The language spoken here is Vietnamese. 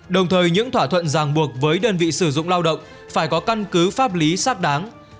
đồng thời những thỏa thuận ràng buộc với đơn vị sử dụng lao động phải có căn cứ pháp lý xác đáng